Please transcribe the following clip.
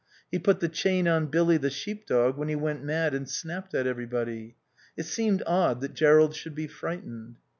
He put the chain on Billy, the sheep dog, when he went mad and snapped at everybody. It seemed odd that Jerrold should be frightened.